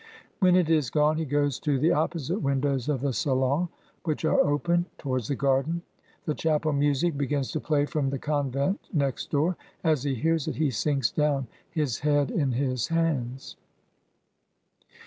When it is gone he goes to the opposite windows of the salon, which are open, towards the garden. The chapel music begins to play from the convent, next door. As he hears it he sinks down, his head in his hands.)